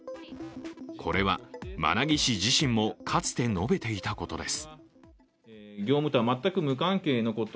これは馬奈木氏自身もかつて述べていたことです。